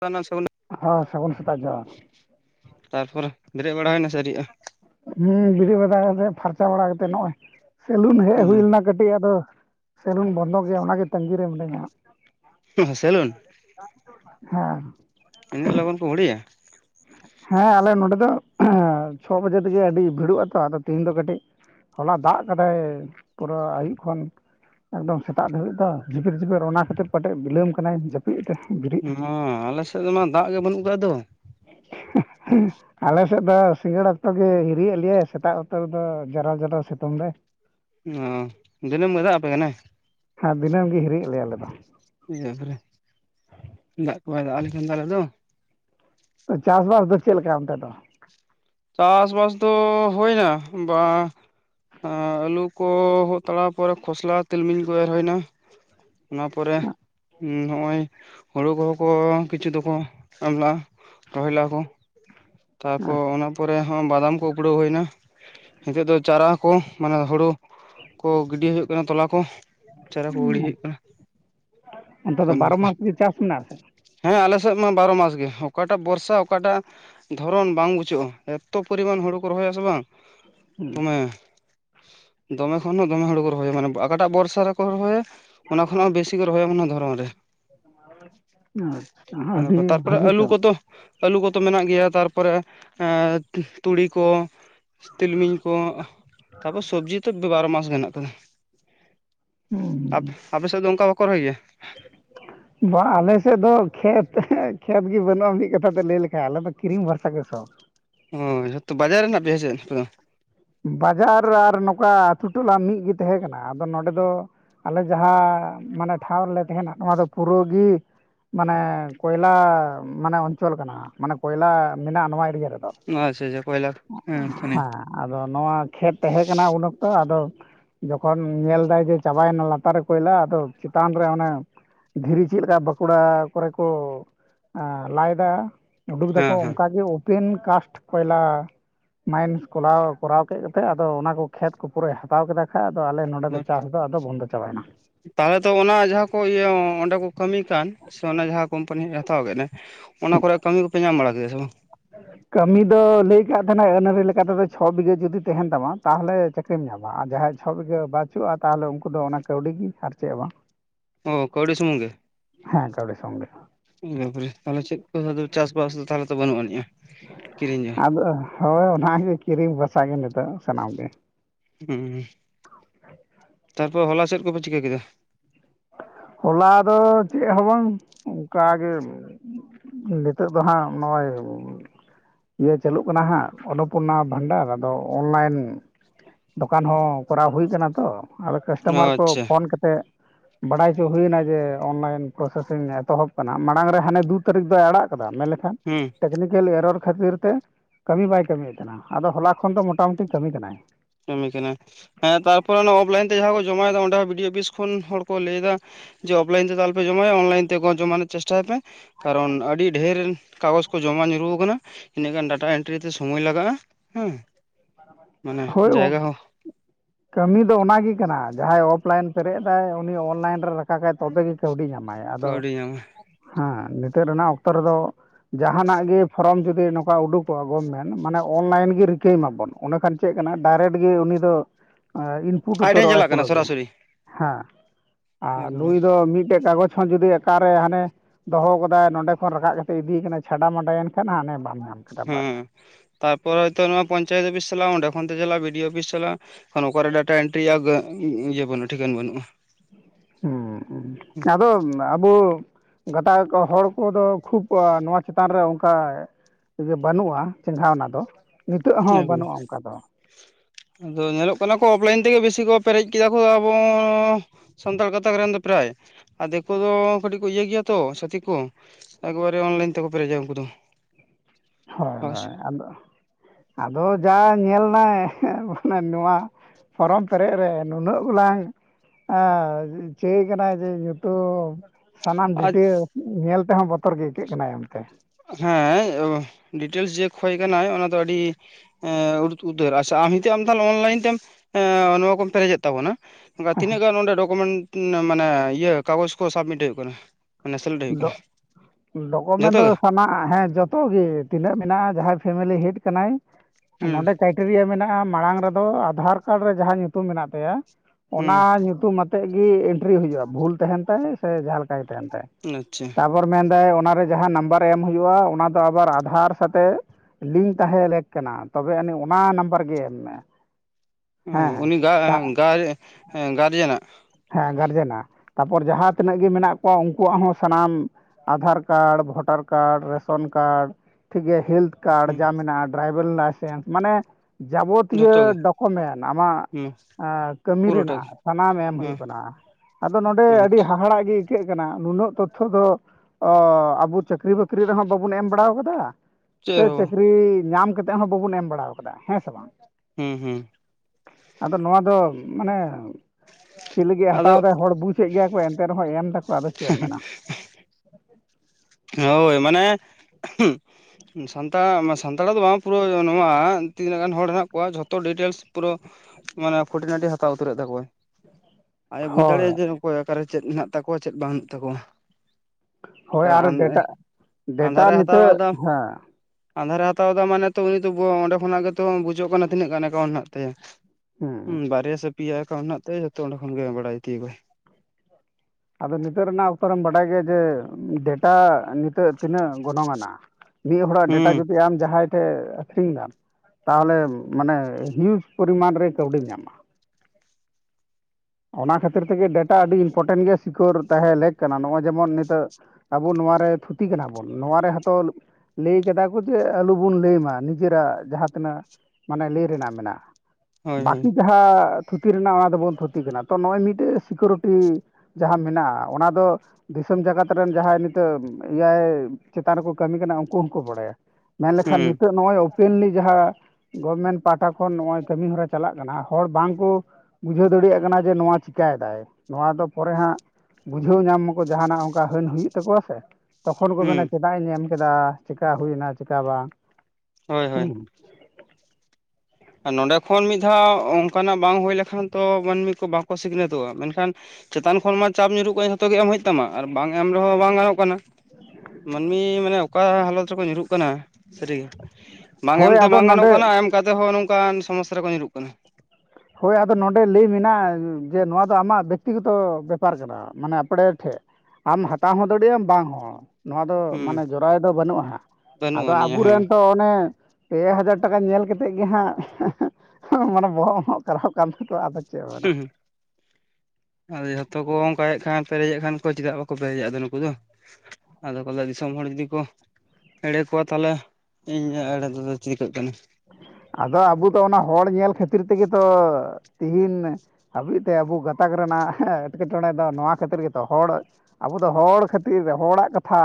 ᱛᱟᱱᱟ ᱥᱟᱹᱵᱩᱱ ᱦᱟᱹ ᱥᱟᱜᱩᱱ ᱥᱮᱛᱟᱜ ᱡᱚᱦᱟᱨ᱾ ᱛᱟᱨᱯᱚᱨᱮ ᱵᱮᱨᱮᱫ ᱵᱟᱲᱟᱭ ᱱᱟ ᱥᱮ ᱟᱹᱣᱨᱤᱜ ᱟᱜᱼᱟ? ᱦᱩᱸ ᱵᱤᱨᱤᱜ ᱵᱟᱲᱟ ᱠᱟᱛᱮ ᱯᱷᱟᱨᱪᱟ ᱵᱟᱲᱟ ᱠᱟᱛᱮᱜ ᱱᱚᱜᱼᱚᱭ ᱥᱮᱞᱩᱱ ᱦᱮᱡ ᱦᱩᱭ ᱞᱮᱱᱟ ᱠᱟᱹᱴᱤᱡ ᱟᱫᱚ ᱥᱮᱞᱩᱱ ᱵᱚᱱᱫᱚ ᱜᱮᱭᱟ ᱚᱱᱟᱜᱮ ᱛᱟᱹᱜᱤ ᱨᱮ ᱢᱤᱱᱟᱹᱧᱟ ᱦᱟᱸᱜ᱾ [unintelligible] ᱥᱮᱞᱩᱱ? ᱦᱮᱸ᱾ ᱤᱱᱟᱹᱜ ᱞᱚᱜᱚᱱ ᱠᱚ ᱵᱩᱸᱲᱤ ᱭᱟ? ᱦᱮᱸ ᱟᱞᱮ ᱱᱚᱰᱮ ᱫᱚ ᱪᱷᱚ ᱵᱟᱡᱮ ᱛᱮᱜᱤ ᱟᱹᱰᱤ ᱵᱷᱤᱲᱚᱜ ᱟᱛᱚ ᱟᱫᱚ ᱛᱤᱦᱤᱧ ᱫᱚ ᱠᱟᱹᱴᱤᱡ ᱦᱚᱞᱟ ᱫᱟᱜ ᱠᱟᱫᱟᱭ ᱯᱩᱨᱟᱹ ᱟᱹᱭᱩᱵ ᱠᱷᱚᱱ ᱮᱠᱫᱚᱢ ᱥᱮᱛᱟᱜ ᱫᱷᱟᱹᱵᱤᱡ ᱫᱚ, ᱡᱤᱵᱤᱨ ᱡᱤᱯᱤᱨ ᱚᱱᱟ ᱠᱷᱟᱹᱛᱤᱨ ᱯᱟᱴᱮᱜ ᱵᱤᱞᱟᱢ ᱠᱟᱱᱟᱭ ᱡᱟᱹ ᱢᱤᱫ ᱛᱟᱦᱟ ᱵᱤᱫᱼ ᱱᱦᱚ ᱟᱞᱮ ᱥᱮᱫ ᱨᱮᱢᱟ ᱫᱟᱜ ᱜᱮ ᱵᱟᱹᱱᱩᱜ ᱟᱠᱟᱫ ᱫᱚ᱾ ᱦᱮᱸ᱾ ᱟᱞᱮ ᱥᱮᱫ ᱫᱚ ᱥᱤᱸᱜᱟᱹᱲ ᱚᱠᱛᱚ ᱜᱮ ᱦᱤᱨᱤᱭᱮᱜ ᱞᱮᱭᱮ ᱥᱮᱛᱟᱜ ᱚᱠᱛᱚ ᱨᱮᱫᱚ ᱡᱟᱨᱟᱞ-ᱡᱟᱨᱟᱞ ᱥᱤᱛᱩᱝ ᱨᱮ᱾ ᱚ ᱫᱤᱱᱟᱹᱢ ᱜᱮ ᱫᱟᱜ ᱟᱯᱮ ᱠᱟᱱᱟ᱾ ᱦᱟ ᱫᱤᱱᱟᱹᱢ ᱜᱤ ᱦᱤᱨᱤᱭᱮᱜ ᱞᱮᱭᱟ ᱟᱞᱮ ᱫᱚ᱾ ᱤᱭᱟᱹ ᱯᱚᱨᱮ ᱫᱟᱜ ᱠᱚ ᱵᱟᱭ ᱫᱟᱜ ᱟᱞᱮ ᱠᱟᱱ ᱫᱚ ᱟᱞᱮ ᱫᱚ᱾ ᱛᱚ ᱪᱟᱥᱵᱟᱥ ᱫᱚ ᱪᱮᱜ ᱞᱮᱠᱟ ᱚᱱᱛᱮ ᱫᱚ? ᱪᱟᱥᱵᱟᱥ ᱫᱚ ᱦᱩᱭᱱᱟ ᱵᱟ- ᱟᱹᱞᱩ ᱠᱚ ᱦᱚ ᱛᱟᱲᱟ ᱯᱚᱨᱮ ᱠᱷᱚᱥᱞᱟ ᱛᱤᱞᱢᱤᱧ ᱠᱚ ᱮᱨ ᱦᱳᱭᱱᱟ᱾ ᱚᱱᱟ ᱯᱚᱨᱮ- ᱱᱚᱜᱼᱚᱭ ᱦᱳᱲᱳ ᱠᱚᱦᱚᱸ ᱠᱚ ᱠᱤᱪᱷᱩ ᱫᱚᱠᱚ ᱮᱢ ᱞᱟᱜᱼᱟ ᱨᱚᱦᱚᱭ ᱞᱟᱜᱼᱟ ᱠᱚ᱾ ᱛᱟᱯᱚᱨ ᱚᱱᱟ ᱯᱚᱨᱮ ᱦᱚᱸ ᱵᱟᱫᱟᱢ ᱠᱚ ᱩᱯᱲᱟᱹᱣ ᱦᱩᱭᱱᱟ ᱱᱤᱛᱚᱜ ᱫᱚ ᱪᱟᱨᱟ ᱠᱚ ᱢᱟᱱᱮ ᱦᱳᱲᱳ᱾ ᱠᱚ ᱜᱤᱰᱤ ᱦᱩᱭᱩᱜ ᱠᱟᱱᱟ ᱛᱚᱞᱟ ᱠᱚ᱾ ᱪᱟᱨᱟ ᱠᱚ ᱜᱤᱰᱤ ᱦᱩᱭᱩᱜ ᱠᱟᱱᱟ ᱚᱱᱛᱮ ᱫᱚ ᱚᱱᱠᱟᱱ ᱵᱟᱨᱚ ᱵᱮᱯᱟᱨ᱾ ᱢᱟᱥ ᱜᱮ ᱪᱟᱥ ᱢᱮᱱᱟᱜ ᱟᱥᱮ ᱦᱮᱸ ᱟᱞᱮ ᱥᱮᱜ ᱢᱟ ᱵᱟᱨᱚ ᱢᱟᱥ ᱜᱮ ᱚᱠᱟᱴᱟᱜ ᱵᱚᱨᱥᱟ ᱚᱠᱟᱴᱟᱜ- ᱫᱷᱚᱨᱚᱱ ᱵᱟᱝ ᱵᱩᱪᱩᱜᱼᱟ ᱮᱛᱚ ᱯᱚᱨᱤᱢᱟᱱ ᱦᱳᱲᱳ ᱠᱚ ᱨᱚᱦᱚᱭᱟ ᱥᱮ ᱵᱟᱝ ᱫᱚᱢᱮ᱾ ᱫᱚᱢᱮ ᱠᱷᱚᱱ ᱫᱚᱢᱮ ᱦᱳᱲᱳ ᱠᱚ ᱨᱚᱦᱚᱭᱟ ᱢᱟᱱᱮ ᱟᱠᱟᱴᱟᱜ ᱵᱚᱨᱥᱟ ᱨᱮᱠᱚ ᱨᱚᱦᱚᱭᱟ- ᱚᱱᱟ ᱠᱷᱚᱱᱟᱜ ᱦᱚᱸ ᱵᱮᱥᱤ ᱠᱚ ᱨᱚᱦᱚᱭᱟ ᱚᱱᱟ ᱫᱷᱚᱨᱚᱱ ᱨᱮ᱾ ᱟᱪᱷᱟ ᱟᱹᱰᱤ ᱛᱟᱨᱯᱚᱨᱮ ᱵᱷᱟᱹᱜᱤ ᱟᱹᱞᱩ ᱛᱚ᱾ ᱠᱚᱫᱚ ᱟᱹᱞᱩ ᱠᱚᱫᱚ ᱢᱮᱱᱟᱜ ᱜᱮᱭᱟ ᱛᱟᱨ ᱯᱚᱨᱮ ᱛᱩᱲᱤ ᱠᱚ᱾ ᱛᱤᱞᱢᱤᱧ ᱠᱚ ᱛᱟᱯᱚᱨ ᱥᱚᱵᱽᱡᱤ ᱛᱚ ᱫᱚ ᱵᱟᱨᱚ ᱢᱟᱥ ᱜᱮ ᱦᱮᱱᱟᱜ ᱟᱠᱟᱫᱟ᱾ ᱦᱩᱸ ᱟᱯ-ᱟᱯᱮ ᱥᱮᱫ ᱫᱚ ᱚᱝᱠᱟ ᱵᱟᱠᱚ ᱨᱚᱦᱚᱭ ᱜᱮᱭᱟ᱾ ᱵᱟ ᱟᱞᱮ ᱥᱮᱫ ᱫᱚ ᱠᱷᱮᱛ-ᱠᱷᱮᱛ ᱜᱮ ᱵᱟᱹᱱᱩᱜᱼᱟ ᱢᱤᱫ ᱠᱟᱛᱷᱟ ᱛᱮ ᱞᱟᱹᱭ ᱞᱮᱠᱷᱟᱡ ᱟᱞᱮ ᱫᱚ ᱠᱤᱨᱤᱧ ᱵᱷᱚᱨᱥᱟ ᱜᱮ ᱥᱚᱠ᱾ ᱦᱳᱭ ᱡᱚᱛᱚ ᱵᱟᱡᱟᱨ ᱨᱮᱱᱟᱜ ᱯᱮᱭᱟ ᱥᱮ-ᱪᱮᱫ ᱟᱯᱮ ᱫᱚ᱾ ᱵᱟᱡᱟᱨ ᱟᱨ ᱱᱚᱝᱠᱟ ᱟᱛᱳ ᱴᱚᱞᱟ ᱢᱤᱫ ᱜᱮ ᱛᱟᱦᱮᱸ ᱠᱟᱱᱟ ᱟᱫᱚ ᱱᱚᱰᱮ ᱫᱚ᱾ ᱟᱞᱮ ᱡᱟᱦᱟᱸ ᱢᱟᱱᱮ ᱴᱷᱟᱶ ᱨᱮᱞᱮ ᱛᱟᱦᱮᱱᱟ ᱱᱚᱣᱟ ᱫᱚ ᱯᱩᱨᱟᱹᱜ ᱜᱤ- ᱢᱟᱱᱮ ᱠᱚᱭᱞᱟ ᱢᱟᱱᱮ ᱚᱧᱪᱚᱞ ᱠᱟᱱᱟ ᱢᱟᱱᱮ ᱠᱚᱭᱞᱟ ᱢᱮᱱᱟᱜᱼᱟ ᱱᱚᱣᱟ ᱮᱨᱤᱭᱟ ᱨᱮᱫᱚ᱾ ᱱᱟᱦᱟᱜ ᱟᱪᱷᱟ-ᱟᱪᱷᱟ ᱠᱚᱭᱞᱟᱠ ᱦᱮᱸ ᱠᱷᱚᱱᱤ᱾ ᱟᱫᱚ ᱱᱚᱣᱟ ᱠᱷᱮᱛ ᱛᱟᱦᱮᱸ ᱠᱟᱱᱟ ᱩᱱ ᱚᱠᱛᱚ ᱟᱫᱚ- ᱡᱚᱠᱷᱚᱱ ᱧᱮᱞ ᱫᱟᱭ ᱡᱮ ᱪᱟᱵᱟᱭᱮᱱᱟ ᱞᱟᱛᱟᱨ ᱨᱮ ᱠᱚᱭᱞᱟ ᱟᱫᱚ ᱪᱮᱛᱟᱱ ᱨᱮ ᱚᱱᱟ ᱫᱷᱤᱨᱤ ᱪᱮᱫ ᱞᱮᱠᱟ ᱵᱟᱸᱠᱩᱲᱟ ᱠᱚᱨᱮ ᱠᱚ ᱞᱟᱭᱮᱫᱟ ᱩᱰᱩᱠ ᱦᱮᱸ ᱫᱟᱠᱚ ᱦᱮᱸ ᱚᱱᱠᱟ ᱜᱮ ᱳᱯᱮᱱ ᱠᱟᱥᱴ ᱠᱚᱭᱞᱟ ᱢᱟᱭᱤᱱᱥ ᱠᱚᱞᱟ ᱠᱚᱨᱟᱣ ᱠᱮᱫ ᱛᱮ ᱟᱫᱚ ᱚᱱᱟ ᱠᱚ ᱠᱷᱮᱛ ᱠᱚ ᱯᱩᱨᱟᱹᱣ ᱦᱟᱛᱟᱣ ᱠᱮᱫᱟ ᱠᱷᱟᱡ ᱟᱫᱚ ᱟᱞᱮ ᱱᱚᱸᱰᱮ ᱫᱚ ᱪᱟᱥ ᱟᱫᱚ-ᱟᱫᱚ ᱵᱚᱱᱫᱚ ᱪᱟᱵᱟᱭᱮᱱᱟ᱾ ᱛᱟᱦᱚᱞᱮ ᱫᱚ ᱚᱱᱟ ᱡᱟᱦᱟᱸ ᱠᱚ ᱤᱭᱟᱹ ᱚᱸᱰᱮ ᱠᱚ ᱠᱟᱹᱢᱤ ᱠᱟᱱ ᱥᱮ ᱚᱱᱟ ᱡᱟᱦᱟᱸ ᱠᱳᱢᱯᱟᱱᱤ ᱦᱟᱛᱟᱣ ᱠᱮᱫ ᱱᱮ ᱚᱱᱟ ᱠᱚᱨᱮ ᱠᱟᱹᱢᱤ ᱠᱚᱯᱮ ᱧᱟᱢ ᱵᱟᱲᱟ ᱠᱮᱫᱟ ᱥᱮ ᱵᱟᱝ? ᱠᱟᱹᱢᱤ ᱫᱚ ᱞᱟᱹᱭ ᱠᱟᱜ ᱛᱟᱦᱮᱸᱱᱟᱭ ᱟᱹᱱ ᱟᱹᱨᱤ ᱞᱮᱠᱟ ᱛᱮᱫᱚ ᱪᱷᱚ ᱵᱤᱜᱷᱟᱹ ᱡᱩᱫᱤ ᱛᱟᱦᱮᱸᱱ ᱛᱟᱢᱟ ᱛᱟᱦᱚᱞᱮ ᱠᱟᱹᱢ ᱧᱟᱢᱟ ᱟᱨ ᱡᱟᱦᱟᱸᱭᱟᱜ ᱪᱷᱚ ᱵᱤᱜᱷᱟᱹ ᱵᱟᱪᱩᱜᱼᱟ ᱛᱟᱦᱚᱞᱮ ᱩᱱᱠᱩ ᱫᱚ ᱚᱱᱟ ᱠᱟᱹᱣᱰᱤ ᱜᱮ ᱟᱨ ᱪᱮᱫ ᱦᱚᱸ ᱵᱟᱝ ᱚ ᱠᱟ. ᱣᱰᱤ ᱥᱩᱢᱩᱝ ᱜᱮ᱾ ᱦᱮᱸ ᱠᱟᱹᱣᱰᱤ ᱥᱚᱝᱜᱮ ᱚᱨᱮ ᱛᱟᱦᱚᱞᱮ ᱪᱮᱫ ᱠᱚ ᱪᱟᱥᱵᱟᱥ ᱫᱚ ᱛᱟᱦᱚᱞᱮ ᱛᱚ ᱵᱟᱹᱱᱩᱜ ᱟᱹᱱᱤᱡᱼᱟ ᱠᱤᱨᱤᱧ ᱡᱚᱝᱼᱟ ᱟᱫᱚ ᱦᱳᱭ ᱚᱱᱟᱱᱟᱜᱮ ᱠᱤᱨᱤᱧ ᱵᱚᱨᱥᱟ ᱜᱮ ᱱᱤᱛᱚᱜ ᱥᱟᱱᱟᱢ ᱜᱮ ᱦᱩᱸ ᱛᱟᱨᱯᱚᱨ ᱦᱚᱞᱟ ᱪᱮᱫ ᱠᱚᱯᱮ ᱪᱤᱠᱟᱹ ᱠᱮᱫᱟ? ᱦᱚᱞᱟ ᱫᱚ ᱪᱮᱫ ᱦᱚᱸ ᱵᱟᱝ ᱚᱱᱠᱟᱜᱮ ᱱᱤᱛᱚᱜ ᱫᱚ ᱦᱟᱸᱜ ᱱᱚᱜᱼᱚᱭ ᱤᱭᱟᱹ ᱪᱟᱹᱞᱩᱜ ᱠᱟᱱᱟ ᱦᱟᱸᱜ ᱚᱱᱚᱯᱩᱨᱱᱟ ᱵᱷᱟᱱᱰᱟᱨ ᱟᱫᱚ ᱚᱱᱞᱟᱭᱤᱱ ᱫᱚᱠᱟᱱ ᱦᱚᱸ ᱠᱚᱨᱟᱣ ᱦᱩᱭ ᱠᱟᱱᱟ ᱛᱚ, ᱟᱫᱚ ᱚ ᱠᱟᱥᱴᱚᱢᱟᱨ ᱠᱚ ᱟᱪᱪᱷᱟ ᱯᱷᱳᱱ ᱠᱟᱛᱮᱜ ᱵᱟᱰᱟᱭ ᱦᱚᱪᱚ ᱦᱩᱭᱮᱱᱟ ᱡᱮ ᱚᱱᱞᱟᱭᱤᱱ ᱯᱨᱚᱥᱮᱥᱤᱝ ᱮᱛᱚᱦᱚᱵ ᱠᱟᱱᱟ, ᱢᱟᱲᱟᱝ ᱨᱮ ᱦᱟᱱᱮ ᱫᱳ ᱛᱟᱹᱨᱤᱠᱷ ᱫᱚᱭ ᱟᱲᱟᱜ ᱠᱟᱫᱟ ᱢᱮᱱᱞᱮᱠᱷᱟᱱ᱾ ᱦᱩᱸ᱾ ᱴᱮᱠᱱᱤᱠᱮᱞᱤ ᱮᱨᱚᱨ ᱠᱷᱟᱹᱛᱤᱨ ᱛᱮ ᱠᱟᱹᱢᱤ ᱵᱟᱭ ᱠᱟᱹᱢᱤᱭᱮᱫ ᱛᱟᱦᱮᱸᱱᱟ, ᱟᱫᱚ ᱦᱚᱞᱟ ᱠᱷᱚᱱ ᱫᱚ ᱢᱳᱴᱟᱢᱩᱴᱤ ᱠᱟᱹᱢᱤ ᱠᱟᱱᱟᱭ᱾ ᱠᱟᱹᱢᱤ ᱠᱟᱱᱟᱭ ᱦᱮᱸ ᱛᱟᱨᱯᱚᱨᱮ ᱚᱱᱟ ᱚᱯᱞᱟᱭᱤᱱ ᱛᱮ ᱡᱟᱦᱟᱸ ᱠᱚ ᱡᱚᱢᱟᱭᱮᱫᱟ ᱚᱸᱰᱮ ᱦᱚᱸ ᱵᱤ ᱰᱤ ᱭᱚ ᱚᱯᱷᱤᱥ ᱠᱷᱚᱱ ᱦᱚᱲ ᱠᱚ ᱞᱟᱹᱭ ᱫᱟ ᱡᱮ ᱚᱯᱷᱞᱟᱭᱤᱱ ᱛᱮ ᱫᱚ ᱚᱞᱚᱯᱮ ᱡᱚᱢᱟᱭᱟ ᱚᱱᱞᱟᱭᱤᱱ ᱛᱮ ᱡᱚᱢᱟᱭ ᱨᱮᱱᱟᱜ ᱪᱮᱥᱴᱟᱭ ᱯᱮ᱾ ᱠᱟᱨᱚᱱ ᱟᱹᱰᱤ ᱰᱷᱮᱨ ᱠᱟᱜᱚᱡᱽ ᱠᱚ ᱡᱚᱢᱟ ᱧᱩᱨᱩᱠᱟᱱᱟ ᱤᱱᱟᱹᱜ ᱜᱟᱱ ᱰᱟᱴᱟ ᱮᱱᱴᱨᱤ ᱛᱮ ᱥᱚᱢᱳᱭ ᱞᱟᱜᱟᱜᱼᱟ ᱦᱮᱸ᱾ ᱢᱟᱱᱮ ᱦᱳᱭ ᱡᱟᱭᱜᱟ ᱦᱚᱸ ᱠᱟᱹᱢᱤ ᱫᱚ ᱚᱱᱟᱜᱤ ᱠᱟᱱᱟ ᱡᱟᱦᱟᱸᱭ ᱚᱯᱞᱟᱭᱤᱱ ᱯᱮᱨᱮᱡ ᱫᱟᱭ ᱩᱱᱤ ᱚᱱᱞᱟᱭᱤᱱ ᱨᱮ ᱨᱟᱠᱟᱵ ᱠᱟᱭ ᱛᱚᱵᱮ ᱜᱤ ᱠᱟᱹᱣᱰᱤ ᱧᱟᱢᱟᱭ, ᱟᱫᱚ ᱠᱟᱹᱣᱰᱤ ᱧᱟᱢᱟ ᱦᱮᱸ ᱱᱤᱛᱚᱜ ᱨᱮᱱᱟᱜ ᱚᱠᱛᱚ ᱨᱮᱫᱚ ᱡᱟᱦᱟᱸᱱᱟᱜ ᱜᱤ ᱯᱷᱚᱨᱚᱢ ᱡᱩᱫᱤ ᱱᱚᱝᱠᱟ ᱩᱰᱩᱠᱚᱜᱼᱟ ᱜᱚᱵᱷᱢᱮᱱᱴ ᱢᱟᱱᱮ ᱚᱱᱞᱟᱭᱤᱱ ᱜᱤ ᱨᱤᱠᱟᱹᱭ ᱢᱟᱵᱚᱱ᱾ ᱚᱸᱰᱮ ᱠᱷᱟᱱ ᱪᱮᱫ ᱠᱟᱱᱟ ᱰᱟᱭᱨᱮᱠᱴ ᱜᱮ ᱩᱱᱤ ᱫᱚ ᱤᱱᱯᱩᱴ ᱟᱡ ᱴᱷᱮᱱ ᱩᱛᱟᱹᱨᱚᱜᱼᱟᱭ ᱪᱟᱞᱟᱜ ᱠᱟᱱᱟ ᱯᱩᱨᱟᱹ ᱜᱮ᱾ ᱥᱚᱨᱟᱥᱚᱨᱤ ᱦᱮᱸ ᱟᱨ ᱮᱠᱵᱟᱨᱮ ᱱᱩᱭ ᱫᱚ ᱢᱤᱫᱴᱮᱡ ᱠᱟᱜᱚᱡᱽ ᱦᱚᱸ ᱡᱩᱫᱤ ᱚᱠᱟᱨᱮ ᱦᱟᱸᱱᱮ ᱫᱚᱦᱚ ᱠᱟᱫᱟᱭ ᱱᱚᱸᱰᱮ ᱠᱷᱚᱱ ᱨᱟᱠᱟᱵ ᱠᱟᱛᱮᱜ ᱤᱫᱤᱭᱮ ᱠᱟᱱᱟᱭ ᱪᱷᱟᱰᱟ ᱢᱟᱰᱟᱭᱮᱱ ᱠᱷᱟᱱ ᱦᱟᱸᱱᱮ ᱵᱟᱢ ᱧᱟᱢᱟ [unintelligible] ᱵᱟᱥ ᱦᱮᱸ ᱛᱟᱨᱯᱚᱨ ᱦᱚᱭᱛᱳ ᱱᱚᱣᱟ ᱯᱚᱧᱪᱟᱭᱮᱛ ᱚᱯᱷᱤᱥ ᱪᱟᱞᱟᱜᱼᱟ, ᱚᱸᱰᱮ ᱠᱷᱚᱱ ᱪᱟᱞᱟᱜ ᱵᱤ ᱰᱤ ᱭᱳ ᱚᱯᱷᱤᱥ ᱪᱟᱞᱟᱜᱼᱟ, ᱮᱠᱷᱚᱱ ᱚᱠᱟᱨᱮ ᱰᱟᱴᱟᱭ ᱮᱴᱨᱤᱭᱟᱭ ᱜᱟᱹ ᱤᱭᱟᱹ ᱵᱟᱹᱱᱩᱜ ᱴᱷᱤᱠᱟᱹᱱ ᱵᱟᱹᱱᱩᱜᱼᱟ᱾ ᱩᱸ ᱩᱸ ᱟᱫᱚ ᱟᱵᱩ ᱜᱟᱛᱟᱠ ᱦᱚᱲ ᱠᱚᱫᱚ ᱠᱷᱩᱵ ᱠᱚ ᱱᱚᱣᱟ ᱪᱮᱛᱟᱱ ᱨᱮ ᱚᱝᱠᱟ ᱤᱭᱟᱹ ᱵᱟᱹᱱᱩᱜᱼᱟ ᱪᱮᱸᱜᱷᱟᱣᱱᱟ ᱫᱚ ᱱᱤᱛᱚᱜ ᱦᱚᱸ ᱮᱠᱵᱟᱨᱮ᱾ ᱵᱟᱹᱱᱩᱜᱼᱟ ᱚᱝᱠᱟ ᱫᱚ᱾ ᱟᱫᱚ ᱧᱮᱞᱚᱜ ᱠᱟᱱᱟ ᱠᱚ ᱚᱯᱷᱞᱟᱭᱤᱱ ᱛᱮᱜᱮ ᱵᱮᱥᱤ ᱠᱚ ᱯᱮᱨᱮᱡ ᱠᱮᱫᱟ ᱠᱚ, ᱟᱵᱚ ᱥᱟᱱᱛᱟᱲ ᱜᱟᱛᱟᱠ ᱨᱮᱱ ᱫᱚ ᱯᱨᱟᱭ ᱟᱨ ᱫᱤᱠᱩ ᱫᱚ ᱠᱟᱹᱴᱤᱡ ᱠᱚ ᱤᱭᱟᱹ ᱜᱤᱭᱟ ᱛᱚ ᱪᱷᱟᱛᱤᱠ ᱠᱚ᱾ ᱮᱠᱵᱟᱨᱮ ᱚᱱᱞᱟᱭᱤᱱ ᱛᱮᱠᱚ ᱯᱮᱨᱮᱡᱟ ᱩᱱᱠᱩ ᱫᱚ᱾ ᱦᱳᱭ ᱯᱷᱟᱥᱴ ᱦᱳᱭ, ᱟᱫᱚ ᱟᱫᱚ ᱡᱟ ᱧᱮᱞ ᱟᱱᱮ ᱱᱚᱣᱟ ᱯᱷᱚᱨᱚᱢ ᱯᱮᱨᱮᱡ ᱨᱮ ᱱᱩᱱᱟᱹᱜ ᱜᱚᱞᱟᱝ ᱟᱹ ᱪᱤᱠᱟᱜ ᱠᱟᱱᱟ ᱡᱮ ᱧᱩᱛᱩᱢ ᱥᱟᱱᱟᱢ ᱟᱨ ᱰᱤᱴᱮ ᱧᱮᱞ ᱛᱮᱦᱚᱸ ᱵᱚᱛᱚᱨ ᱜᱮ ᱟᱹᱭᱠᱟᱹᱜ ᱠᱟᱱᱟ ᱮᱢᱛᱮ᱾ ᱦᱮᱸ ᱰᱤᱴᱮᱞᱥ ᱡᱮ ᱠᱷᱚᱡ ᱠᱟᱱᱟᱭ ᱚᱱᱟ ᱫᱚ ᱟᱹᱰᱤ ᱮᱸ ᱩᱫ ᱩᱫᱟᱹᱨ ᱟᱪᱪᱷᱟ ᱟᱢ ᱡᱮ [unintelligible] ᱚᱱᱞᱟᱭᱤᱱ ᱛᱮᱢ ᱮᱸ ᱱᱚᱣᱟ ᱠᱚᱢ ᱯᱮᱨᱮᱡᱮᱫ ᱛᱟᱵᱚᱱᱟ, ᱚᱱᱠᱟ ᱛᱤᱱᱟᱹᱜ ᱜᱟᱱ ᱚᱸᱰᱮ ᱰᱚᱠᱚᱢᱮᱱᱴ ᱢᱟᱱᱮ ᱤᱭᱟᱹ ᱠᱟᱜᱚᱡᱽ ᱠᱚ ᱥᱟᱵᱢᱤᱴ ᱦᱩᱭᱩᱜ ᱠᱟᱱᱟ? ᱢᱟᱱᱮ ᱥᱮᱞᱮᱫ ᱦᱩᱭᱩᱜ ᱠᱟᱱᱟ ᱰᱟᱜ ᱰᱚᱠᱚᱢᱮᱱᱴ ᱡᱷᱚᱛᱚ ᱫᱚ ᱜᱮ ᱥᱟᱱᱟ ᱦᱮᱸ ᱡᱚ ᱛᱚ ᱜᱮ ᱛᱤᱱᱟᱹᱜ ᱢᱮᱱᱟᱜᱼᱟ, ᱡᱟᱦᱟᱸᱭ ᱯᱷᱮᱢᱮᱞᱤ ᱦᱮᱰ ᱠᱟᱱᱟᱭ ᱦᱩᱸ ᱱᱚᱰᱮ ᱠᱟᱭ ᱴᱮᱨᱤᱭᱟ ᱢᱮᱱᱟᱜᱼᱟ ᱢᱟᱲᱟᱝ ᱨᱮᱫᱚ ᱟᱫᱷᱟᱨ ᱠᱟᱨᱰ ᱨᱮ ᱡᱟᱦᱟᱸ ᱧᱩᱛᱩᱢ ᱢᱮᱱᱟᱜ ᱛᱟᱭᱟ ᱚᱱᱟ ᱧᱩᱛᱩᱢ ᱟᱛᱤᱜ ᱜᱤ ᱮᱱᱴᱨᱤ ᱦᱩᱭᱩᱜᱼᱟ ᱵᱷᱩᱞ ᱛᱟᱦᱮᱸᱱ ᱛᱟᱭ ᱥᱮ ᱡᱟᱦᱟᱸ ᱞᱮᱠᱟᱜᱮ ᱛᱟᱦᱮᱸᱱ ᱛᱟᱭ᱾ ᱟᱪᱪᱷᱟ᱾ ᱛᱟᱯᱚᱨ ᱢᱮᱱᱫᱟᱭ ᱚᱱᱟᱨᱮ ᱡᱟᱦᱟᱸ ᱱᱟᱢᱵᱟᱨ ᱮᱢ ᱦᱩᱭᱩᱜᱼᱟ ᱚᱱᱟ ᱫᱚ ᱟᱵᱟᱨ ᱟᱫᱷᱟᱨ ᱥᱟᱛᱮ ᱞᱤᱝᱠ ᱛᱟᱦᱮᱸ ᱞᱮᱠ ᱠᱟᱱᱟ ᱛᱚᱵᱮ ᱟᱹᱱᱤᱡ ᱚᱱᱟ ᱱᱟᱢᱵᱟᱨ ᱜᱮᱢ ᱚ ᱩᱱᱤ ᱜᱟ ᱜᱟ ᱦᱮᱸ ᱜᱟᱨᱡᱮᱱᱟᱜ? ᱦᱮᱸ ᱜᱟᱨᱡᱮᱱᱟᱜ ᱛᱟᱯᱚᱨ ᱡᱟᱦᱟᱸ ᱛᱤᱱᱟᱹᱜ ᱜᱤ ᱢᱮᱱᱟᱜ ᱠᱚᱣᱟ ᱩᱱ ᱠᱩᱭᱟᱜ ᱦᱚᱸ ᱥᱟᱱᱟᱢ Aadhaar card voter card ration card ᱴᱷᱤᱠ ᱜᱮᱭᱟ ᱦᱮᱞᱛᱷ ᱠᱟᱲ ᱦᱩᱸ ᱡᱟ ᱢᱮᱱᱟᱜᱼᱟ ᱰᱨᱟᱭᱵᱷᱤᱝ ᱞᱟᱭᱥᱮᱱᱥ ᱢᱟᱱᱮ ᱡᱟᱵᱚᱛᱤᱭᱚ ᱡᱷᱚᱛᱚ ᱜᱮ ᱰᱚᱠᱚᱢᱮᱱᱴ ᱟᱢᱟᱜ ᱦᱩᱸ ᱟᱸ ᱠᱟᱹᱢᱤ ᱯᱩᱨᱟᱹᱴᱟ ᱜᱮ ᱨᱮᱱᱟᱜ ᱥᱟᱱᱟᱢ ᱮᱢ ᱦᱮᱸ ᱦᱩᱭᱩᱜ ᱠᱟᱱᱟ ᱟᱫᱚ ᱱᱚᱰᱮ ᱟᱹᱰᱤ ᱟᱪᱪᱷᱟ ᱦᱟᱦᱟᱲᱟᱜ ᱜᱤ ᱤᱠᱟᱹᱜ ᱠᱟᱱᱟ᱾ ᱱᱩᱱᱟᱹᱜ ᱛᱚᱛᱷᱚ ᱫᱚ ᱚ ᱟᱵᱚ ᱪᱟᱹᱠᱨᱤ-ᱵᱟᱹᱠᱨᱤ ᱨᱮᱦᱚᱸ ᱵᱟᱵᱚᱱ ᱮᱢ ᱵᱟᱲᱟᱣ ᱠᱟᱫᱟ ᱪᱮᱫ ᱥᱮ ᱦᱚᱸ ᱵᱟᱝ ᱪᱟᱹᱠᱨᱤ ᱧᱟᱢ ᱠᱟᱛᱮᱜ ᱦᱚᱸ ᱵᱟᱵᱩᱱ ᱮᱢ ᱵᱟᱲᱟᱣ ᱠᱟᱫᱟ ᱦᱮᱸ ᱥᱮ ᱵᱟᱝ ᱦᱩᱸ-ᱦᱩᱸ ᱟᱫᱚ ᱱᱚᱣᱟ ᱫᱚ ᱢᱟᱱᱮ ᱪᱮᱫ ᱞᱟᱹᱜᱤᱫ ᱟᱫᱚ ᱦᱟᱛᱟᱣ ᱫᱟᱭ ᱦᱚᱲ ᱵᱩᱡ ᱵᱩᱪᱮᱫ ᱜᱮᱭᱟ ᱠᱚ ᱮᱱᱛᱮ ᱨᱮᱦᱚᱸ ᱮᱢ ᱫᱟᱠᱚ ᱟᱫᱚ ᱪᱮᱫ ᱮᱢ ᱦᱮᱸᱻᱦᱮᱸ ᱢᱮᱱᱟ ᱦᱳᱭ ᱢᱟᱱᱮ ᱥᱟᱱᱛᱟᱲ ᱢᱟ ᱥᱟᱱᱛᱟᱲᱟᱜ ᱫᱚ ᱵᱟᱝ ᱯᱩᱨᱟᱹ ᱱᱚᱜ-ᱚ ᱱᱚᱣᱟ ᱛᱤᱱᱟᱹᱜ ᱜᱟᱱ ᱦᱚᱲ ᱦᱮᱱᱟᱜ ᱠᱚᱣᱟ ᱡᱷᱚᱛᱚ ᱰᱤᱴᱮᱞᱥ ᱯᱩᱨᱟᱹ ᱢᱟᱱᱮ ᱯᱷᱩᱴᱤᱱᱟᱴᱤ ᱦᱟᱛᱟᱣ ᱩᱛᱟᱹᱨᱮᱫ ᱛᱟᱠᱚᱣᱟᱭ ᱟᱡ ᱮ ᱵᱩᱡᱽ ᱦᱳᱭ ᱫᱟᱲᱮᱭᱟᱜ-ᱟ ᱡᱮ ᱚᱠᱚᱭ ᱚᱠᱟᱨᱮ ᱪᱮᱫ ᱦᱮᱱᱟᱜ ᱛᱟᱣᱟ ᱪᱮᱫ ᱵᱟᱱᱩᱜ ᱛᱟᱠᱚᱣᱟ᱾ ᱦᱳᱭ ᱟᱨ ᱟᱢ ᱱᱚᱜ-ᱚᱭ ᱰᱮᱴᱟ ᱰᱮᱴᱟ ᱟᱸᱫᱷᱟᱨᱮ ᱱᱤᱛᱚᱜ ᱦᱟᱛᱟᱣᱫᱟ ᱦᱮᱸ ᱟᱸᱫᱷᱟᱨᱮ ᱦᱟᱛᱟᱣ ᱮᱫᱟ ᱢᱟᱱᱮ ᱛᱚ ᱩᱱᱤᱛᱚ ᱚᱸᱰᱮ ᱠᱷᱚᱱᱟᱜ ᱜᱮᱛᱚ ᱵᱩᱡᱚᱜ ᱠᱟᱱᱟ ᱛᱤᱱᱟᱹᱜ ᱜᱟᱱ ᱮᱠᱟᱭᱩᱱᱴ ᱢᱮᱱᱟᱜ ᱛᱟᱭᱟ ᱦᱩᱸ ᱵᱟᱨᱭᱟ ᱥᱮ ᱯᱮᱭᱟ ᱮᱠᱟᱣᱩᱱᱴ ᱢᱮᱱᱟᱜ ᱛᱟᱭᱟ ᱡᱚᱛᱚ ᱚᱸᱰᱮ ᱠᱷᱚᱱ ᱜᱮ ᱵᱟᱲᱟᱭ ᱛᱤᱭᱳᱜᱟᱭ ᱟᱫᱚ ᱱᱤᱛᱚᱜ ᱨᱮᱱᱟᱜ ᱚᱠᱛᱚ ᱨᱮᱢ ᱵᱟᱰᱟᱭ ᱜᱮᱭᱟ ᱡᱮ ᱰᱮᱴᱟ ᱱᱤᱛᱚᱜ ᱛᱤᱱᱟᱹᱜ ᱜᱚᱱᱚᱝ ᱟᱱᱟ ᱢᱤᱜ ᱦᱚᱲᱟᱜ ᱰᱮᱴᱟ ᱦᱩᱸ ᱡᱩᱫᱤ ᱟᱢ ᱡᱟᱦᱟᱸᱭ ᱛᱮ ᱟᱹᱠᱷᱨᱤᱧ ᱫᱟᱢ ᱛᱟᱦᱚᱞᱮ ᱢᱟᱱᱮ ᱦᱤᱭᱩᱡᱽ ᱯᱚᱨᱤᱢᱟᱱ ᱨᱮ ᱠᱟᱹᱣᱰᱤᱢ ᱧᱟᱢᱟ ᱚᱱᱟ ᱠᱷᱟᱹᱛᱤᱨ ᱛᱮᱜᱮ ᱰᱮᱴᱟ ᱟᱹᱰᱤ ᱤᱱᱯᱚᱴᱮᱱᱴ ᱜᱮ ᱥᱤᱠᱳᱨ ᱛᱟᱦᱮᱸ ᱞᱮᱠ ᱠᱟᱱᱟ ᱱᱚᱜᱼᱚᱭ ᱡᱮᱢᱚᱱ ᱱᱤᱛᱚᱜ ᱟᱵᱚ ᱱᱚᱣᱟᱨᱮ ᱛᱷᱩᱛᱤ ᱠᱟᱱᱟ ᱵᱚᱱ ᱱᱚᱣᱟᱨᱮ ᱦᱚᱸᱛᱚ ᱞᱟᱹᱭ ᱠᱟᱫᱟ ᱠᱚ ᱡᱮ ᱟᱞᱚᱵᱩᱱ ᱞᱟᱹᱭ ᱢᱟ ᱱᱤᱡᱮᱨᱟᱜ ᱡᱟᱦᱟᱸ ᱛᱤᱱᱟᱹᱜ ᱢᱟᱱᱮ ᱞᱟᱹᱭ ᱨᱮᱱᱟᱜ ᱢᱮᱱᱟᱜᱼᱟ ᱦᱳᱭ ᱦᱳᱭ ᱵᱟᱠᱤ ᱡᱟᱦᱟᱸ ᱛᱷᱩᱛᱤ ᱨᱮᱱᱟᱜ ᱚᱱᱟ ᱫᱚᱵᱚᱱ ᱛᱷᱩ ᱛᱤ ᱠᱟᱱᱟ ᱛᱚ ᱱᱚᱜᱼᱚᱭ ᱢᱤᱫᱴᱮᱡ ᱥᱤᱠᱩᱨᱤᱴᱤ ᱡᱟᱦᱟᱸ ᱢᱮᱱᱟᱜᱼᱟ ᱚᱱᱟ ᱫᱚ ᱫᱤᱥᱚᱢ ᱡᱟᱠᱟᱛ ᱨᱮᱱ ᱡᱟᱦᱟᱸᱭ ᱱᱤᱛᱚᱜ ᱮᱭᱟᱭ ᱪᱮᱛᱟᱱ ᱨᱮᱠᱚ ᱠᱟᱹᱢᱤ ᱠᱟᱱᱟ ᱩᱱᱠᱩ ᱦᱚᱸᱠᱚ ᱵᱟᱲᱟᱭᱟ᱾ ᱢᱮᱱ ᱦᱩᱸ ᱞᱮᱠᱷᱟᱱ ᱱᱤᱛᱚᱜ ᱱᱚᱜᱼᱚᱭ ᱳᱯᱮᱱᱞᱤ ᱡᱟᱦᱟᱸ ᱜᱚᱵᱷᱚᱢᱮᱱᱴ ᱯᱟᱦᱟᱴᱟ ᱠᱷᱚᱱ ᱱᱚᱜᱼᱚᱭ ᱠᱟᱹᱢᱤᱦᱚᱨᱟ ᱪᱟᱞᱟᱜ ᱠᱟᱱᱟ ᱦᱚᱲ ᱵᱟᱝᱠᱚ ᱵᱩᱡᱷᱟᱹᱣ ᱫᱟᱲᱮᱭᱟᱜᱼᱟ᱾ ᱠᱟᱱᱟ ᱡᱮ ᱱᱚᱣᱟ ᱪᱤᱠᱟᱹᱭᱮᱫᱟᱭ ᱱᱚᱣᱟ ᱫᱚ ᱯᱚᱨᱮ ᱦᱟᱸᱜ ᱵᱩᱡᱷᱟᱹᱣ ᱧᱟᱢ ᱢᱟ ᱠᱚ ᱡᱟᱦᱟᱱᱟᱜ ᱚᱱᱠᱟ ᱦᱟᱹᱱ ᱦᱩᱭᱩᱜ ᱛᱟᱠᱚᱣᱟ ᱥᱮ ᱛᱚᱠᱷᱚᱱ ᱠᱚ ᱦᱩᱸ ᱢᱮᱱᱟ ᱪᱮᱫᱟᱜ ᱤᱧ ᱮᱢ ᱠᱮᱫᱟ ᱪᱤᱠᱟ ᱦᱩᱭᱱᱟ ᱪᱤᱠᱟ ᱵᱟᱝ ᱦᱳᱭ-ᱦᱳᱭ ᱟᱨ ᱱᱚᱰᱮ ᱠᱷᱚᱱ ᱢᱤᱫ ᱫᱷᱟᱣ ᱚᱱᱠᱟᱱᱟᱜ ᱵᱟᱝ ᱦᱩᱭ ᱞᱮᱠᱷᱟᱱ ᱛᱚ ᱢᱟᱹᱱᱢᱤ ᱠᱚ ᱵᱟᱠᱚ ᱥᱤᱠᱷᱱᱟᱹᱛᱚᱜᱼᱟ ᱢᱮᱱᱠᱷᱟᱱ ᱪᱮᱛᱟᱱ ᱠᱷᱚᱱ ᱢᱟ ᱪᱟᱯ ᱧᱩᱨᱩᱜ ᱠᱚᱜ ᱡᱷᱚᱛᱚ ᱜᱮ ᱮᱢ ᱦᱳᱭᱳᱜ ᱛᱟᱢᱟ ᱟᱨ ᱵᱟᱝ ᱮᱢ ᱨᱮᱦᱚᱸ ᱵᱟᱝ ᱜᱟᱱᱚᱜ ᱠᱟᱱᱟ᱾ ᱢᱟᱹᱱᱢᱤ ᱢᱟᱱᱮ ᱚᱠᱟ ᱦᱟᱞᱚᱛ ᱨᱮᱠᱚ ᱧᱩᱨᱩᱜ ᱠᱟᱱᱟ ᱥᱟᱹᱨᱤᱜᱮ ᱵᱟᱝ ᱮᱢ ᱦᱳᱭ ᱛᱮᱦᱚᱸ ᱟᱫᱚ ᱵᱟᱝ ᱜᱟᱱᱚᱜ ᱱᱚᱰᱮ ᱠᱟᱱᱟ ᱮᱢ ᱠᱟᱛᱮ ᱦᱚᱸ ᱱᱚᱝᱠᱟᱱ ᱥᱚᱢᱚᱥᱟ ᱨᱮᱠᱚ ᱧᱩᱨᱩᱜ ᱠᱟᱱᱟ᱾ ᱦᱳᱭ ᱟᱫᱚ ᱱᱚᱸᱰᱮ ᱞᱟᱹᱭ ᱢᱮᱱᱟᱜ-ᱟ ᱡᱮ ᱱᱚᱣᱟ ᱫᱚ ᱟᱢᱟᱜ ᱵᱮᱠᱛᱤᱜᱚᱛᱚ ᱵᱮᱯᱟᱨ ᱠᱟᱱᱟ ᱢᱟᱱᱮ ᱟᱯᱲᱮ ᱴᱷᱮᱡ ᱟᱢ ᱦᱟᱛᱟᱣ ᱦᱚᱸ ᱫᱟᱲᱮᱭᱟᱜ-ᱟᱢ ᱵᱟᱝ ᱦᱚᱸ ᱱᱚᱣᱟ ᱫᱚ ᱦᱩᱸ ᱢᱟᱱᱮ ᱡᱚᱨᱟᱭ ᱫᱚ ᱵᱟᱹᱱᱩᱜᱼᱟ ᱦᱟᱸᱜ ᱟᱫᱚ ᱵᱟᱹᱱᱩᱜᱼᱟ ᱱᱤᱭᱟᱹ ᱦᱮᱸ ᱟᱵᱩᱨᱮᱱ ᱛᱚ ᱚᱱᱮ ᱯᱮ ᱦᱟᱡᱟᱨ ᱴᱟᱠᱟ ᱧᱮᱞ ᱠᱟᱛᱮᱫ ᱜᱮ ᱦᱟᱸᱜ ᱢᱟᱱᱮ ᱵᱚᱦᱚᱜ ᱦᱚᱸ ᱠᱚᱨᱟᱯ ᱠᱟᱱ ᱛᱟᱠᱚᱣᱟ ᱟᱫᱚ ᱪᱮᱫ ᱮᱢ ᱢᱮᱱᱟ ᱦᱩᱸ-ᱦᱩᱸ ᱟᱫᱚ ᱡᱷᱚᱛᱚ ᱠᱚ ᱚᱱᱠᱟᱭᱮᱫ ᱠᱷᱟᱱ ᱯᱮᱨᱮᱡᱮᱫ ᱠᱷᱟᱱ ᱠᱚ ᱪᱮᱫᱟᱜ ᱵᱟᱠᱚ ᱯᱮᱨᱮᱡᱟ ᱟᱫᱚ ᱱᱩᱠᱩ ᱫᱚ ᱟᱫᱚ ᱠᱚ ᱞᱟᱹᱭᱟ ᱫᱤᱥᱚᱢ ᱦᱚᱲ ᱡᱩᱫᱤ ᱠᱚ ᱮᱲᱮ ᱠᱚᱣᱟ ᱛᱟᱦᱚᱞᱮ ᱤᱧᱦᱚᱸ ᱮᱲᱮ ᱛᱮᱫᱚ ᱪᱤᱠᱟᱹᱜ ᱠᱟᱱᱟ ᱟᱫᱚ ᱟᱵᱚ ᱫᱚ ᱚᱱᱟ ᱦᱚᱲ ᱧᱮᱞ ᱠᱷᱟᱹᱛᱤᱨ ᱛᱮᱜᱮ ᱛᱚ ᱛᱮᱦᱮᱧ ᱦᱟᱵᱤᱡ ᱛᱮ ᱟᱵᱚ ᱜᱟᱛᱟᱠ ᱨᱮᱱᱟᱜ ᱮᱴᱠᱮᱴᱚᱬᱮ ᱫᱚ ᱱᱚᱣᱟ ᱠᱷᱟᱹᱛᱤᱨ ᱜᱮᱛᱚ ᱦᱚᱲ ᱟᱵᱚ ᱫᱚ ᱦᱚᱲ ᱠᱷᱟᱹᱛᱤᱨ ᱦᱚᱲᱟᱜ ᱠᱟᱛᱷᱟ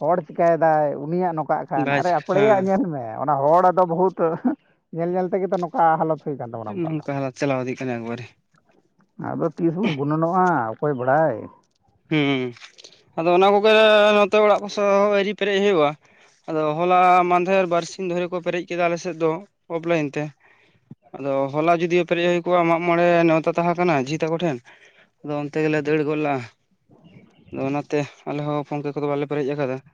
ᱦᱚᱲ ᱪᱤᱠᱟᱹᱭ ᱫᱟᱭ ᱩᱱᱤᱭᱟᱜ ᱱᱚᱝᱠᱟ ᱠᱟᱜ ᱠᱷᱟᱱ ᱵᱟᱭ ᱟᱨᱮ ᱪᱤᱠᱟᱹᱜ ᱟᱯᱲᱮᱭᱟᱜ ᱦᱮᱸ ᱧᱮᱞ ᱢᱮ ᱚᱱᱟ ᱦᱚᱲ ᱫᱚ ᱵᱚᱦᱩᱛ ᱧᱮᱞ- ᱧᱮᱞ ᱛᱮᱜᱮ ᱛᱚ ᱱᱚᱝ ᱠᱟ ᱦᱟᱞᱚᱛ ᱦᱩᱭ ᱟᱠᱟᱱ ᱛᱟᱵᱚᱱᱟ ᱟᱵᱚᱣᱟᱜ ᱫᱚ ᱱᱚᱝᱠᱟ ᱦᱟᱞᱚᱛ ᱪᱟᱞᱟᱣ ᱤᱫᱤᱜ ᱠᱟᱱᱟ ᱮᱠᱵᱟᱨᱮ ᱟᱫᱚ ᱛᱤᱥ ᱵᱚᱱ ᱜᱩᱱᱟᱹᱱᱚᱜᱼᱟ ᱚᱠᱚᱭ ᱵᱟᱲᱟᱭ ᱾ ᱦᱩᱸ ᱟᱫᱚ ᱚᱱᱟ ᱠᱚᱜᱮ ᱱᱚᱛᱮ ᱚᱲᱟᱜ ᱠᱚ ᱥᱟᱶ ᱟᱣᱨᱤ ᱯᱮᱨᱮᱡ ᱦᱩᱳᱭᱳᱜᱼᱟ ᱟᱫᱚ ᱦᱚᱞᱟ ᱢᱟᱦᱫᱮᱨ ᱵᱟᱨᱥᱤᱧ ᱫᱷᱚᱨᱮᱹ ᱠᱚ ᱯᱮᱨᱮᱡ ᱠᱮᱫᱟ ᱟᱞᱮᱥᱮᱫ ᱫᱚ ᱚᱯᱷᱞᱟᱭᱤᱱ ᱛᱮ ᱾ ᱟᱫᱚ ᱦᱚᱞᱟ ᱡᱩᱫᱤ ᱯᱮᱨᱮᱡ ᱦᱳᱭ ᱠᱚᱜᱼᱟ ᱢᱟᱜ ᱢᱚᱬᱮ ᱱᱮᱣᱛᱟ ᱛᱟᱦᱮᱸ ᱠᱟᱱᱟ ᱡᱷᱤ ᱛᱟᱠᱚ ᱴᱷᱮᱱ ᱾ ᱟᱫᱚ ᱚᱱᱛᱮ ᱜᱮᱞᱮ ᱫᱟᱹᱲ ᱜᱚᱫᱞᱟᱜ-ᱟ ᱾ [inaudible] ᱠᱟᱲᱟᱡ-ᱠᱚᱲᱚᱡ ᱾ ᱟᱫᱚ ᱚᱱᱟᱛᱮ ᱟᱞᱮ ᱦᱚᱸ ᱯᱷᱳᱱᱯᱮᱹ ᱠᱚᱫᱚ ᱵᱟᱞᱮ ᱯᱮᱨᱮᱡ ᱟᱠᱟᱫᱟ ᱾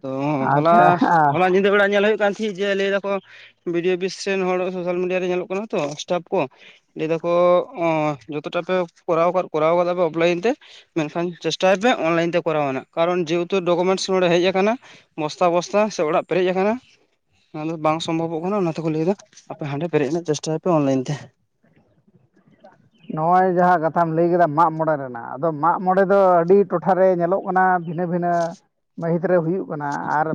ᱛᱚ ᱦᱚᱞᱟ, ᱟᱪᱪᱷᱟ ᱦᱚᱞᱟ ᱧᱤᱫᱟᱹ ᱵᱮᱲᱟ ᱧᱮᱞ ᱦᱳᱭᱳᱜ ᱠᱟᱱ ᱛᱟᱦᱮᱸᱫ ᱡᱮ ᱞᱟᱹᱭ ᱫᱟᱠᱚ ᱵᱷᱤᱰᱤᱭᱳ ᱚᱯᱤᱥ ᱥᱮᱱ ᱦᱚᱲ ᱥᱳᱥᱟᱞ ᱢᱤᱰᱤᱭᱟ ᱨᱮ ᱧᱮᱞᱚᱜ ᱠᱟᱱᱟ ᱛᱚ ᱥᱴᱟᱯ ᱠᱚ ᱾ ᱞᱟᱹᱭ ᱫᱟᱠᱚ ᱚ ᱚᱸ ᱡᱚᱛᱚᱴᱟ ᱯᱮ ᱠᱚᱨᱟᱣ ᱟᱠᱟᱫ ᱠᱚᱨᱟᱣ ᱟᱠᱟᱫᱟ ᱯᱮ ᱚᱯᱷᱞᱟᱭᱤᱱ ᱛᱮ ᱢᱮᱱᱠᱷᱟᱱ ᱪᱮᱥᱴᱟᱭ ᱯᱮ ᱚᱱᱞᱟᱭᱤᱱ ᱛᱮ ᱠᱚᱨᱟᱣ ᱨᱮᱱᱟᱜ, ᱠᱟᱨᱚᱱ ᱡᱮᱹᱦᱮᱹᱛᱩ ᱰᱚᱠᱩᱢᱮᱱᱴᱥ ᱱᱚᱲᱮ ᱦᱮᱡ ᱟᱠᱟᱱᱟ ᱾ ᱵᱚᱥᱛᱟ ᱵᱚᱥᱛᱟ ᱥᱮ ᱚᱲᱟᱜ ᱯᱮᱨᱮᱡ ᱟᱠᱟᱱᱟ, ᱩᱱᱟ, ᱹᱜ ᱫᱚ ᱵᱟᱝ ᱥᱚᱢᱵᱷᱚᱵᱚᱜ ᱠᱟᱱᱟ ᱚᱱᱟᱛᱮᱠᱚ ᱞᱟᱹᱭ ᱮᱫᱟ ᱾ ᱟᱯᱮ ᱦᱟᱸᱰᱮ ᱯᱮᱨᱮᱡ ᱨᱮᱱᱟᱜ ᱪᱮᱥᱴᱟᱭᱯᱮ ᱚᱱᱞᱟᱭᱤᱱ ᱛᱮ ᱾ ᱱᱚᱜᱼᱚᱸᱭ ᱡᱟᱦᱟᱸ ᱠᱟᱛᱷᱟᱢ ᱞᱟᱹᱭ ᱠᱮᱫᱟ ᱢᱟᱜ ᱢᱚᱬᱮ ᱨᱮᱱᱟᱜ ᱟᱫᱚ ᱢᱟᱜ ᱢᱚᱬᱮ ᱫᱚ ᱟᱹᱰᱤ ᱴᱚᱴᱷᱟ ᱨᱮ ᱧᱮᱞᱚᱜ ᱚᱱᱟ ᱵᱷᱤᱱᱟᱹ ᱵᱷᱤᱱᱟᱹ ᱢᱟᱹᱦᱤᱛ ᱨᱮ ᱦᱩᱭᱩᱜ ᱠᱟᱱᱟ ᱟᱨ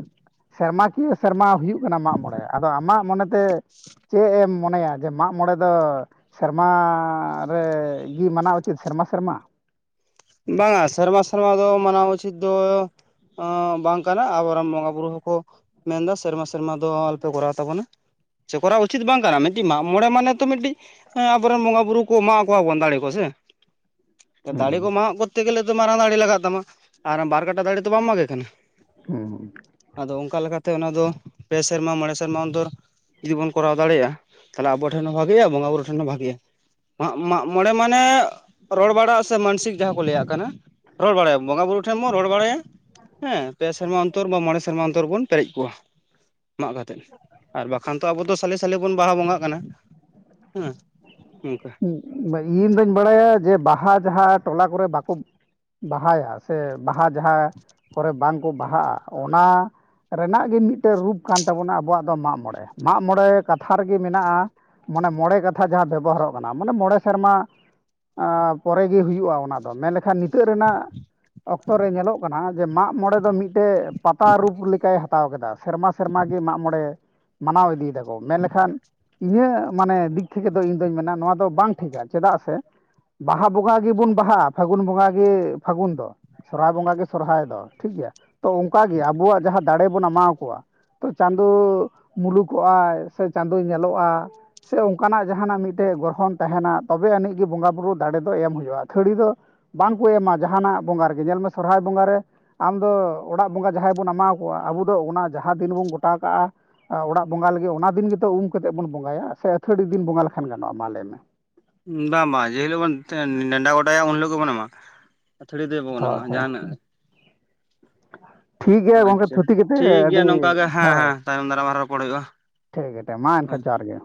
ᱥᱮᱨᱢᱟ ᱠᱤᱭᱟᱹ ᱥᱮᱨᱢᱟ ᱦᱩᱭᱩᱜ ᱦᱩᱭᱩᱜ ᱠᱟᱱᱟ ᱢᱟᱜ ᱢᱚᱬᱮ ᱟᱫᱚ ᱟᱢᱟᱜ ᱢᱚᱱᱮᱛᱮ ᱪᱮᱫ ᱮᱢ ᱢᱚᱱᱮᱭᱟ ᱡᱮ ᱢᱟᱜ ᱢᱚᱬᱮ ᱫᱚ ᱢᱟ -ᱨᱮ -ᱜᱤ ᱢᱟᱱᱟᱣ ᱩᱪᱤᱛ ᱥᱮᱨᱢᱟ ᱥᱮᱨᱢᱟ ᱾ ᱵᱟᱝᱟ, ᱥᱮᱨᱢᱟ- ᱥᱮᱨᱢᱟ ᱫᱚ ᱢᱟᱱᱟᱣ ᱩᱪᱤᱛ ᱫᱚ ᱟᱸ ᱵᱟᱝ ᱠᱟᱱᱟ ᱟᱵᱚᱨᱮᱱ ᱵᱚᱸᱜᱟ ᱵᱩᱨᱩ ᱦᱚᱸᱠᱚ ᱢᱮᱱ ᱫᱚ ᱥᱮᱨᱢᱟ ᱥᱮᱨᱢᱟ ᱫᱚ ᱟᱞᱚᱯᱮ ᱠᱚᱨᱟᱣ ᱛᱟᱵᱚᱱᱟ ᱾ ᱪᱮ ᱠᱚᱨᱟᱣ ᱩᱪᱤᱛ ᱵᱟᱝ ᱠᱟᱱᱟ ᱢᱤᱫᱴᱤᱡ ᱢᱟᱜ ᱢᱚᱬᱮ ᱢᱟᱱᱮ ᱛᱚ ᱢᱤᱫᱴᱤᱡ ᱦᱮᱸ, ᱟᱵᱚᱨᱮᱱ ᱵᱚᱸᱜᱟ ᱵᱩᱨᱩ ᱠᱚ ᱮᱢᱟᱣ ᱠᱚᱣᱟ ᱵᱚᱱ ᱫᱟᱲᱮ ᱠᱚ ᱥᱮ ᱾ ᱫᱟᱲᱮ ᱠᱚ ᱦᱩᱸ ᱢᱟ-ᱢᱟᱜ ᱠᱚᱨᱛᱮ ᱜᱮᱞᱮ ᱛᱚ ᱢᱟᱨᱟᱝ ᱫᱟᱲᱮ ᱞᱟᱜᱟᱜ ᱛᱟᱢᱟ ᱟᱨ ᱵᱟ ᱠᱟᱴᱟ ᱫᱟᱲᱮ ᱫᱚ ᱵᱟᱢ ᱢᱟᱜᱮ ᱠᱟᱱᱟ ᱾ ᱦᱩᱺ -ᱴᱚᱜ ᱾ ᱟᱫᱚ, ᱚᱱᱠᱟ ᱞᱮᱠᱟᱛᱮ ᱚᱱᱟ ᱫᱚ ᱯᱮ ᱥᱮᱨᱢᱟ ᱢᱚᱬᱮ ᱥᱮᱨᱢᱟ ᱚᱱᱛᱚᱨ ᱡᱩᱫᱤ ᱵᱚᱱ ᱠᱚᱨᱟᱣ ᱫᱟᱲᱮᱭᱟᱜᱼᱟ ᱛᱟᱞᱦᱮ ᱟᱵᱚ ᱴᱷᱮᱱ ᱦᱚᱸ ᱵᱷᱟᱜᱮᱜ-ᱟ ᱵᱚᱸᱜᱟ ᱵᱩᱨᱩ ᱴᱷᱮᱱ ᱦᱚᱸ ᱵᱷᱟᱜᱮᱜ-ᱟ ᱾ ᱢᱟᱜ, ᱢᱟᱜ ᱢᱚᱬᱮ ᱢᱟᱱᱮ ᱨᱚᱲ ᱵᱟᱲᱟᱜ ᱥᱮ ᱢᱟᱱᱥᱤᱠ ᱡᱟᱦᱟᱸ ᱠᱚ ᱞᱟᱹᱭᱟᱜ ᱠᱟᱱᱟ, ᱨᱚᱲ ᱵᱟᱲᱟᱭᱟ ᱵᱚᱸᱜᱟ ᱵᱩᱨᱩ ᱴᱷᱮᱱ ᱵᱚᱱ ᱨᱚᱲ ᱵᱟᱲᱟᱭᱟ ᱦᱮᱸ ᱯᱮ ᱥᱮᱨᱢᱟ ᱚᱱᱛᱚᱨ ᱵᱟ ᱢᱚᱬᱮ ᱥᱮᱨᱢᱟ ᱚᱱᱛᱚᱨ ᱵᱚᱱ ᱯᱮᱨᱮᱡ ᱠᱚᱣᱟ ᱾ ᱢᱟᱜ ᱠᱟᱛᱮᱜ, ᱟᱨ ᱵᱟᱠᱷᱟᱱ ᱛᱚ ᱟᱵᱚ ᱫᱚ ᱥᱟᱞᱮ ᱥᱟᱞᱮ ᱵᱚᱱ ᱵᱟᱦᱟ ᱵᱚᱸᱜᱟᱜ ᱠᱟᱱᱟ ᱦᱮᱸ ᱱᱚᱝᱠᱟ ᱾ ᱤᱧ ᱫᱩᱧ ᱵᱟᱲᱟᱭᱟ ᱡᱮ ᱵᱟᱦᱟ ᱡᱟᱦᱟ ᱴᱚᱞᱟ ᱠᱚᱨᱮ ᱵᱟᱠᱚ ᱵᱟᱦᱟᱭᱟ ᱥᱮ, ᱵᱟᱦᱟ ᱡᱟᱦᱟᱸ ᱠᱚᱨᱮ ᱵᱟᱝ ᱠᱚ ᱵᱟᱦᱟᱜᱼᱟ ᱚᱱᱟ ᱨᱮᱱᱟᱜ ᱜᱮ ᱢᱤᱫᱴᱟᱝ ᱨᱩᱯ ᱠᱟᱱ ᱛᱟᱵᱚᱱᱟ ᱟᱵᱚᱣᱟᱜ ᱫᱚ ᱢᱟᱜ ᱢᱚᱬᱮ ᱢᱟᱜ ᱢᱚᱬᱮ ᱠᱟᱛᱷᱟ ᱨᱮᱜᱮ ᱢᱮᱱᱟᱜᱼᱟ ᱢᱚᱱᱮ ᱢᱚᱬᱮ ᱠᱟᱛᱷᱟ ᱡᱟᱦᱟᱸ ᱵᱮᱵᱚᱦᱟᱨᱚᱜ ᱾ ᱢᱟᱱᱟᱣ ᱢᱟᱱᱮ ᱢᱚᱬᱮ ᱥᱮᱨᱢᱟ ᱯᱚᱨᱮ ᱜᱮ ᱦᱩᱭᱩᱜᱼᱟ ᱚᱱᱟ ᱫᱚ ᱢᱮᱱ ᱞᱮᱠᱷᱟᱱ ᱱᱤᱛᱚ ᱛᱟᱹᱜ ᱨᱮᱱᱟᱜ ᱚᱠᱛᱚ ᱨᱮ ᱧᱮᱞᱚᱜ ᱠᱟᱱᱟ ᱡᱮ ᱢᱟᱜ ᱢᱚᱬᱮ ᱫᱚ ᱢᱤᱫᱴᱮᱡ ᱯᱟᱛᱟ ᱨᱩᱯ ᱞᱮᱠᱟᱭ ᱦᱟᱛ ᱦᱟᱛᱟᱣ ᱠᱮᱫᱟ, ᱾ ᱥᱮᱨᱢᱟ ᱥᱮᱨᱢᱟ ᱜᱮ ᱢᱟᱜ ᱢᱚᱬᱮ ᱢᱟᱱᱟᱣ ᱤᱫᱤᱭᱮᱫᱟ ᱠᱚ, ᱢᱮᱱ ᱞᱮᱠᱷᱟᱱ ᱤᱧᱟᱹᱜ ᱢᱟᱱᱮ ᱫᱤᱠ ᱛᱷᱮᱹᱠᱮᱹ ᱫᱚ ᱤᱧ ᱫᱩᱧ ᱢᱮᱱᱟ ᱱᱚᱣᱟ ᱫᱚ ᱵᱟᱝ ᱴᱷᱤᱠᱟ ᱪᱮᱫᱟᱜ ᱥᱮ ᱵᱟᱦᱟ ᱵᱚᱸᱜᱟ ᱜᱮᱵᱩᱱ ᱵᱟᱦᱟᱜᱼᱟ ᱯᱷᱟᱹᱜᱩᱱ ᱵᱚᱸᱜᱟ ᱜᱮ ᱯᱷᱟᱹᱜᱩᱱ ᱫᱚ ᱾ ᱥᱚᱨᱦᱟᱭ ᱵᱚᱸᱜᱟ ᱜᱮ ᱥᱚᱨᱦᱟᱭ ᱫᱚ ᱴᱷᱤᱠ ᱜᱮᱭᱟ ᱛᱚ ᱚᱱᱠᱟᱜᱮ ᱟᱵᱚᱣᱟᱜ ᱡᱟᱦᱟ ᱫᱟᱲᱮᱹᱵᱚᱱ ᱮᱢᱟ ᱠᱚᱣᱟ ᱛᱚ ᱪᱟᱸᱫᱚᱭ ᱢᱩᱞᱩᱠᱚᱜᱼᱟᱭ ᱥᱮ ᱪᱟᱸᱫᱚᱭ ᱧᱮᱞᱚᱜᱼᱟ ᱥᱮ ᱚᱱᱠᱟᱱᱟᱜ ᱡᱟᱦᱟᱱᱟᱜ ᱢᱤᱫ ᱥᱮ ᱜᱨᱚᱦᱚᱱ ᱛᱟᱦᱮᱱᱟ ᱛᱚᱵᱮ ᱟᱹᱱᱤᱡ ᱜᱮ ᱵᱚᱸᱜᱟ ᱵᱩᱨᱩ ᱫᱟᱲᱮᱹ ᱫᱚ ᱮᱢ ᱦᱳᱭᱳᱜᱼᱟ ᱟᱹᱛᱷᱟᱹᱲᱤ ᱫᱚ ᱵᱟᱝ ᱠᱚ ᱮᱢᱟ ᱡᱟᱦᱟᱱᱟᱜ ᱵᱚᱸᱜᱟ ᱨᱮᱜᱮ ᱧᱮᱞ ᱢᱮ ᱥᱚᱨᱦᱟᱭ ᱵᱚᱸᱜᱟ ᱨᱮ ᱟᱢ ᱫᱚ ᱚᱲᱟᱜ ᱵᱚᱸᱜᱟ ᱡᱟᱦᱟᱸᱭ ᱵᱚᱱ ᱮᱢᱟᱣ ᱠᱚᱣᱟ ᱟᱵᱚ ᱫᱚ ᱚᱱᱟ ᱡᱟᱦᱟᱸ ᱫᱤᱱ ᱵᱚᱱ ᱜᱚᱴᱟ ᱠᱟᱜᱼᱟ ᱾ ᱚᱲᱟᱜ ᱵᱚᱸᱜᱟ ᱞᱟᱹᱜᱤᱫ ᱚᱱᱟ ᱫᱤᱱ ᱜᱮᱛᱚ ᱩᱢ ᱠᱟᱛᱮᱜ ᱵᱚᱱ ᱵᱚᱸᱜᱟᱭᱟ ᱥᱮ ᱟᱹᱛᱷᱟᱹᱲᱤ ᱫᱤᱱ ᱵᱚᱸᱜᱟ ᱞᱮᱠᱷᱟᱱ ᱜᱟᱱᱚᱜᱼᱟ ᱢᱟ ᱞᱟᱹᱭᱢᱮ ᱵᱟᱝ-ᱵᱟᱝ ᱡᱮ ᱦᱤᱞᱳᱜ ᱵᱚᱱ ᱱᱮᱰᱟ ᱜᱚᱴᱟᱭᱟ ᱩᱱ ᱦᱤᱞᱳ ᱜᱮᱵᱚᱱ ᱮᱢᱟ ᱟᱹᱛᱷᱟᱹᱲᱤ ᱫᱚ ᱵᱟᱵᱚᱱ ᱮᱢᱟ ᱡᱟᱦᱟᱸᱱᱟᱜ ᱜᱮ ᱪᱮᱫ ᱦᱚᱸ ᱵᱟᱝ ᱟᱸᱡᱚᱢᱚᱜ ᱠᱟᱱᱟ ᱴᱷᱤᱠ ᱜᱮᱭᱟ ᱜᱚᱝᱠᱮ ᱟᱪᱪᱷᱟ ᱛᱷᱩᱛᱤ ᱠᱟᱛᱮ ᱴᱷᱤᱠ ᱜᱮᱭᱟ ᱟᱹᱰᱤ ᱱᱚᱝᱠᱟ ᱜᱮ ᱦᱮᱸ ᱦᱳᱭ ᱦᱮᱸ ᱛᱟᱭᱚᱢ ᱫᱟᱨᱟᱢ ᱟᱨᱚ ᱨᱚᱯᱚᱲ ᱦᱩᱭᱩᱜᱼᱟ ᱴᱷᱤᱠ ᱜᱮ ᱴᱮ ᱢᱟ ᱦᱳᱭ ᱮᱱᱠᱷᱟᱱ ᱡᱚᱦᱟᱨ ᱜᱮ